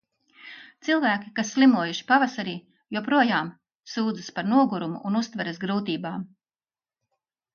Cilvēki, kas slimojuši pavasarī, joprojām sūdzas par nogurumu un uztveres grūtībām.